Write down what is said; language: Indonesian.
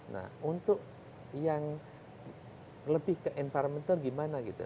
nah untuk yang lebih ke environmental gimana gitu